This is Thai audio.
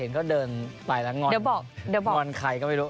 เห็นเขาเดินไปแล้วงอนใครก็ไม่รู้